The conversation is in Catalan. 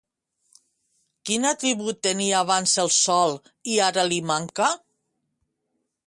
Quin atribut tenia abans el sol i ara li manca?